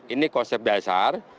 ini konsep dasar